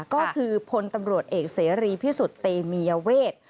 ก็คือพลตำรวจเอกเสรีพิสุทธิ์เตมียเวท